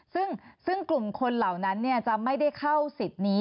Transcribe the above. ซึ่งกลุ่มคนเหล่านั้นจะไม่ได้เข้าสิทธิ์นี้